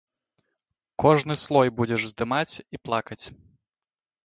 Кожны слой будзеш здымаць і плакаць.